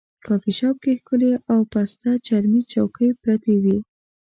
کافي شاپ کې ښکلې او پسته چرمي چوکۍ پرتې وې.